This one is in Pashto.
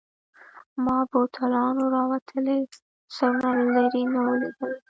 ما بوتلانو راوتلي سرونه له لیري نه ولیدل.